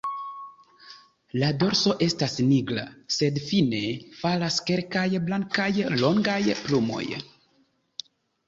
La dorso estas nigra, sed fine falas kelkaj blankaj longaj plumoj.